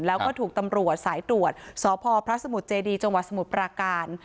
แล้วก็ถูกตำรวจสายตรวจสพพระสมุทรเจดีจังหวัดสมุทรปราการ